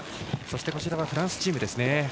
そしてフランスチーム。